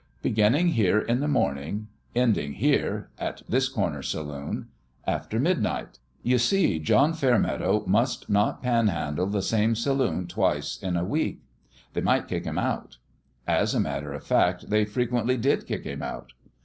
Beginning here in the morning ; ending here at this corner saloon after midnight. You see, John Fairmeadow must not panhandle the same saloon twice in a week ; they might kick him out. As a matter of fact they frequently did kick him out.